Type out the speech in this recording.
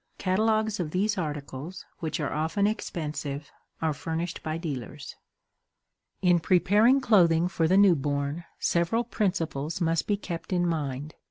Catalogs of these articles, which are often expensive, are furnished by dealers. In preparing clothing for the new born, several principles must be kept in mind.